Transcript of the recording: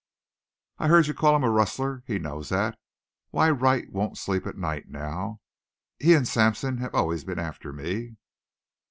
"I heard you call him rustler. He knows thet. Why, Wright won't sleep at night now. He an' Sampson have always been after me."